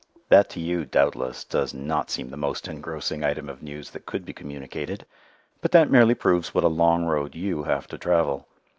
That to you doubtless does not seem the most engrossing item of news that could be communicated, but that merely proves what a long road you have to travel.